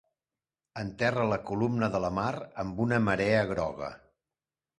Enterra la columna de la Mar amb una marea groga.